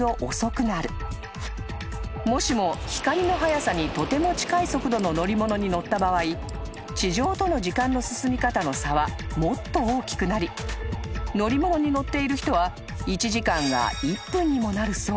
［もしも光の速さにとても近い速度の乗り物に乗った場合地上との時間の進み方の差はもっと大きくなり乗り物に乗っている人は１時間が１分にもなるそう］